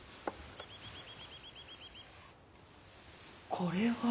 これは。